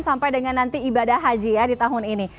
sampai dengan nanti ibadah haji ya di tahun ini